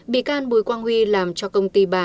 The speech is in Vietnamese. bị can bùi quang huy làm cho công ty bà